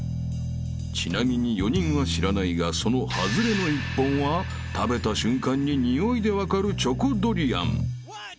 ［ちなみに４人は知らないがその外れの１本は食べた瞬間ににおいで分かるチョコドリアン］